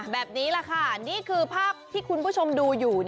แบบนี้แหละค่ะนี่คือภาพที่คุณผู้ชมดูอยู่